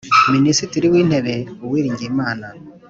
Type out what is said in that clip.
Minisitiri w Intebe Uwiringiyimana